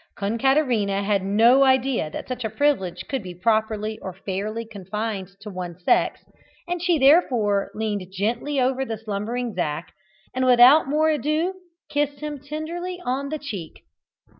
Concaterina had no idea that such a privilege could be properly or fairly confined to one sex, and she therefore leaned gently over the slumbering Zac, and without more ado kissed him tenderly on the cheek.